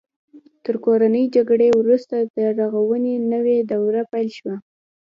تر کورنۍ جګړې وروسته د رغونې نوې دوره پیل شوه.